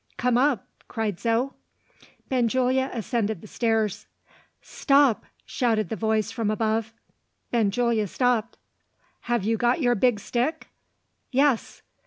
"Come up!" cried Zo. Benjulia ascended the stairs. "Stop!" shouted the voice from above. Benjulia stopped. "Have you got your big stick?" "Yes."